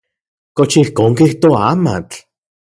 ¿Kox ijkon kijtoa amatl?